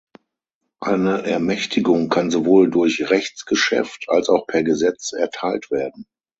Eine Ermächtigung kann sowohl durch Rechtsgeschäft als auch per Gesetz erteilt werden.